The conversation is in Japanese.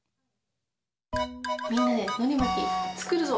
みんなでのりまきつくるぞ！